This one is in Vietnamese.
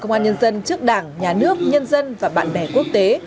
công an nhân dân trước đảng nhà nước nhân dân và bạn bè quốc tế